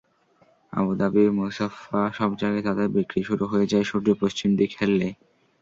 আবুধাবি-মোসাফফা—সব জায়গায় তাদের বিক্রি শুরু হয়ে যায় সূর্য পশ্চিম দিকে হেললেই।